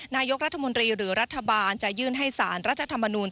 นายกรัฐมนตรีหรือรัฐบาลจะยื่นให้สารรัฐธรรมนูล